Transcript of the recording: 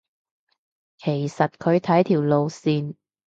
其實睇佢條路線